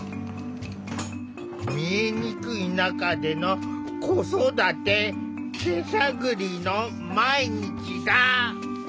見えにくい中での子育て手探りの毎日だ。